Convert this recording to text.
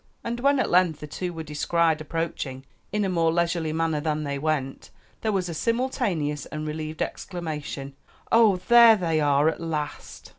And when at length the two were descried approaching, in a more leisurely manner than they went, there was a simultaneous and relieved exclamation, "Oh, there they are at last."